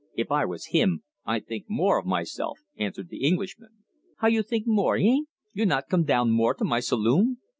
If I was him, I'd think more of myself," answered the Englishman. "How you think more hein? You not come down more to my saloon?"